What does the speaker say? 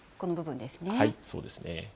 そうですね。